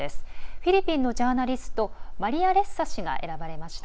フィリピンのジャーナリストマリア・レッサ氏が選ばれました。